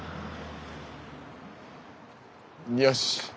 よし！